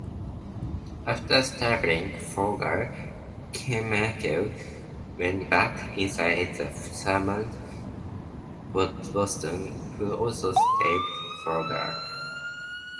After stabbing Folger, Krenwinkel went back inside and summoned Watson, who also stabbed Folger.